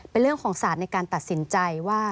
เป็นเรื่องของศาสตร์ในการตัดสินใจว่า